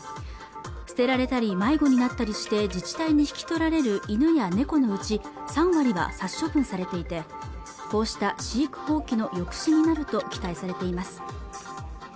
捨てられたり迷子になったりして自治体に引き取られる犬や猫のうち３割は殺処分されていてこうした飼育放棄の抑止になると期待されています